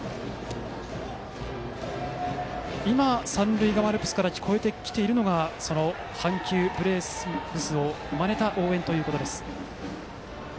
今、三塁側アルプスから聞こえてきているのが阪急ブレーブスをまねた応援だということです。